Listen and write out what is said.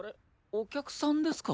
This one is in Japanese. お客さんですか？